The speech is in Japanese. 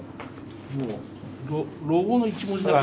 もうロゴの１文字だけ。